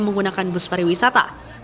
menggunakan bus pariwisata